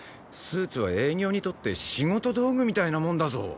スーツは営業にとって仕事道具みたいなもんだぞ。